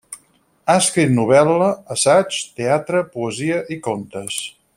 Ha escrit novel·la, assaig, teatre, poesia i contes.